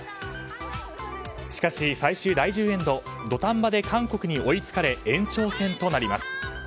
しかし最終第１０エンド土壇場で韓国に追いつかれ延長戦となります。